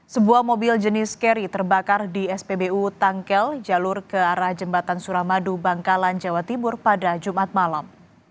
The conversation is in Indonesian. sebuah mobil jenis kerry terbakar di spbu tangkel jalur ke arah jembatan suramadu bangkalan jawa timur pada jumat malam